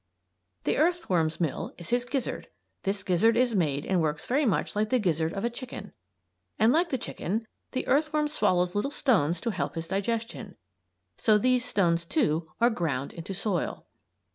The earthworm's mill is his gizzard. This gizzard is made and works very much like the gizzard of the chicken. And like the chicken the earthworm swallows little stones to help his digestion. So these stones, too, are ground into soil.